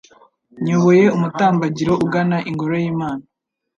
nyoboye umutambagiro ugana Ingoro y’Imana